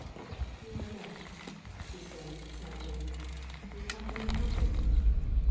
"You are vexed," said she, sadly; "yet how can I help it?"